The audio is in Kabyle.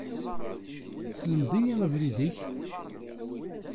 Sselmed-iyi abrid-ik.